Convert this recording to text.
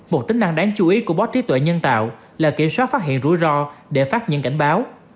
một tính năng đáng chú ý của báo chí tuệ nhân tạo là kiểm soát phát hiện rủi ro để phát những cảnh báo